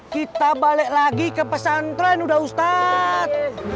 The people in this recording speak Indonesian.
kita balik lagi ke pesantren udah ustadz